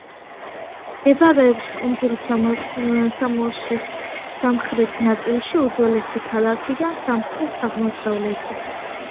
მდებარეობს კუნძულ სამოსის სამხრეთ ნაწილში, უძველესი ქალაქიდან სამხრეთ-აღმოსავლეთით.